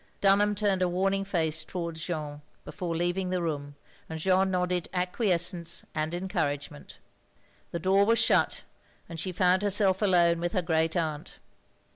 Dunham turned a warning face towards Jeanne, before leaving the room, and Jeanne nodded acquiescence and encotu agement. The door was shut, and she found herself alone with her great aunt.